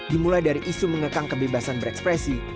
dimulai dari isu mengekang kebebasan berekspresi